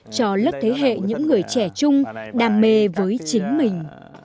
cho lớp thế hệ những người trẻ chung đam mê với chính mình